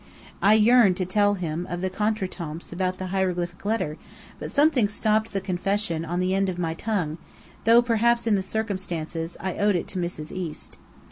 I yearned to tell him of the contretemps about the hieroglyphic letter, but something stopped the confession on the end of my tongue, though perhaps in the circumstances, I owed it to Mrs. East.